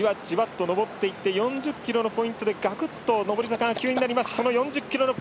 じわじわと上っていって４０ｋｍのポイントで上り坂が急になります。